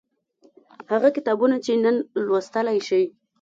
هغه کتابونه چې نن لوستلای شئ